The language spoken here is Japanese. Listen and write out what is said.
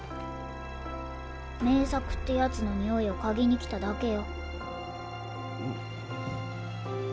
めいさくってやつのにおいをかぎにきただけよ。